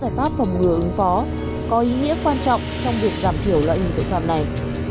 giải pháp phòng ngừa ứng phó có ý nghĩa quan trọng trong việc giảm thiểu loại hình tội phạm này